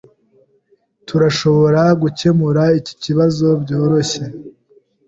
Turashobora gukemura iki kibazo byoroshye.